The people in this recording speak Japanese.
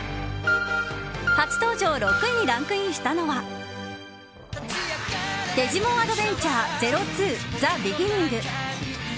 初登場６位にランクインしたのは「デジモンアドベンチャー０２ＴＨＥＢＥＧＩＮＮＩＮＧ」。